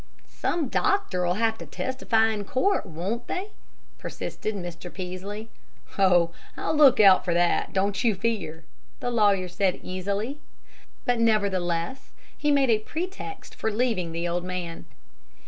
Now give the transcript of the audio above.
"Some doctor'll have to testify to court, won't they?" persisted Mr. Peaslee. "Oh, I'll look out for that, don't you fear!" the lawyer said easily; but nevertheless he made a pretext for leaving the old man.